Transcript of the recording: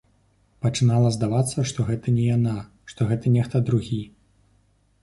Пачынала здавацца, што гэта не яна, што гэта нехта другі.